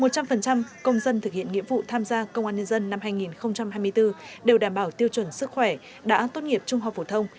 một trăm linh công dân thực hiện nghĩa vụ tham gia công an nhân dân năm hai nghìn hai mươi bốn đều đảm bảo tiêu chuẩn sức khỏe đã tốt nghiệp trung học phổ thông